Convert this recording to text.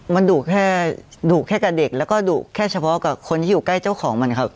มันดุแค่ดุแค่กับเด็กแล้วก็ดุแค่เฉพาะกับคนที่อยู่ใกล้เจ้าของมันครับ